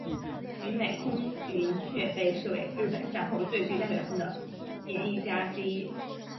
与美空云雀被视为日本战后最具代表性的演艺家之一。